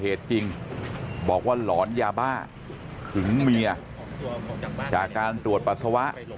จริงบอกว่าหลอนยาบ้าขึงเมียจากการตรวจปัสสาวะ